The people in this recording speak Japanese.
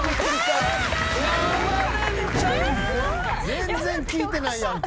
全然効いてないやんけ。